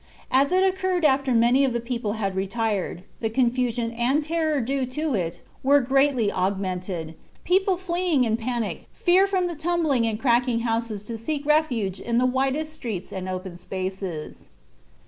As it occurred after many of the people had retired, the confusion and terror due to it were greatly augmented, people fleeing in panic fear from the tumbling and cracking houses to seek refuge in the widest streets and open spaces.